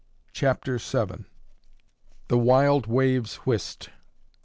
CHAPTER VII. THE WILD WAVES WHIST.